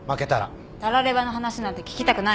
たらればの話なんて聞きたくない。